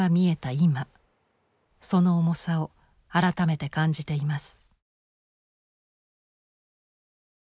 今その重さを改めて感じています。